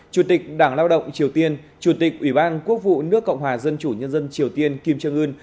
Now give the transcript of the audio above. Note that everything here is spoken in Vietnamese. chủ tịch đảng lao động triều tiên chủ tịch ủy ban quốc vụ nước cộng hòa dân chủ nhân dân triều tiên kim trương ưn